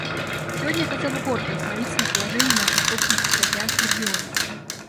Сегодня я хотел бы коротко остановиться на положении в нашем собственном Тихоокеанском регионе.